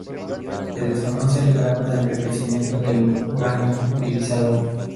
Se desconoce el grado de enriquecimiento del uranio utilizado.